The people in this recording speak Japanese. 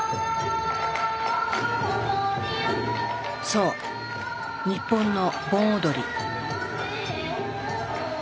そう日本の盆踊り。